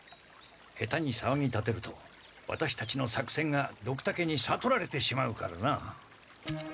下手にさわぎ立てるとワタシたちの作戦がドクタケにさとられてしまうからな。